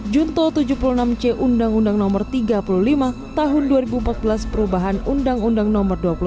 junto tujuh puluh enam c undang undang nomor tiga puluh lima tahun dua ribu empat belas perubahan undang undang nomor dua puluh satu